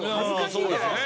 そうですね。